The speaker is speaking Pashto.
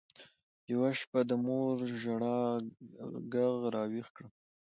يوه شپه د مور د ژړا ږغ راويښ کړم.